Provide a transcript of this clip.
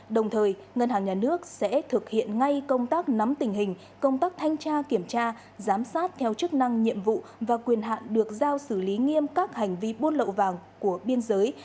đồng thời ngân hàng nhà nước sẽ thực hiện ngay công tác nắm tình hình công tác thanh tra kiểm tra giám sát theo chức năng nhiệm vụ và quyền hạn được giao xử lý nghiêm các hành vi buôn lậu vàng của biên giới